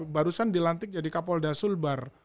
barusan dilantik jadi kapolda sulbar